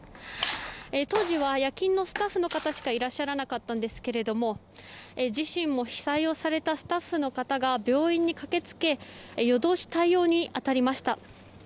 当時は夜勤のスタッフの方しかいらっしゃらなかったんですが自身も被災をされたスタッフの方が病院に駆け付け夜通し対応に当たりました。